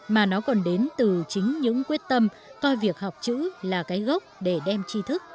mà nó còn đến từ chính những quyết tâm coi việc học chữ là cái gốc để đem chi thức